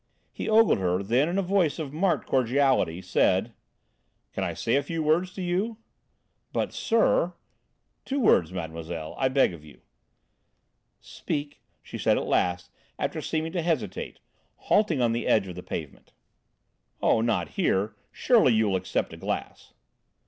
He ogled her, then in a voice of marked cordiality, said: "Can I say a few words to you?" "But, sir " "Two words, mademoiselle, I beg of you." "Speak," she said at last, after seeming to hesitate, halting on the edge of the pavement. "Oh, not here; surely you will accept a glass?"